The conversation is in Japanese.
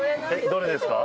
どれですか？